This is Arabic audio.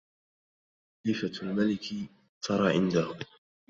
خليفة الملك ترى عنده